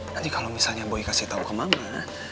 nanti kalau misalnya boy kasih tahu ke mama